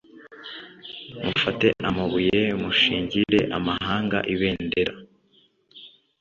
mufate amabuye mushingire amahanga ibendera